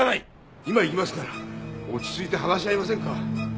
今行きますから落ち着いて話し合いませんか？